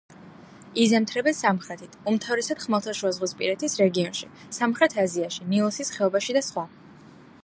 იზამთრებენ სამხრეთით, უმთავრესად ხმელთაშუაზღვისპირეთის რეგიონში, სამხრეთ აზიაში, ნილოსის ხეობაში და სხვა.